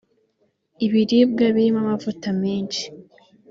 Ibiribwa birimo amavuta menshi